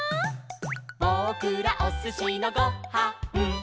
「ぼくらおすしのご・は・ん」